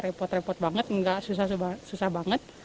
repot repot banget enggak susah susah banget